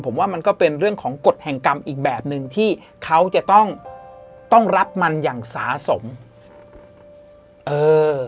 ผมว่ามันก็เป็นเรื่องของกฎแห่งกรรมอีกแบบหนึ่งที่เขาจะต้องรับมันอย่างสาสมเออ